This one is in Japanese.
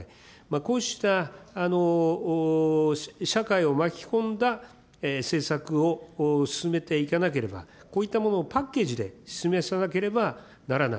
こうした社会を巻き込んだ政策を進めていかなければ、こういったものをパッケージで示さなければならない。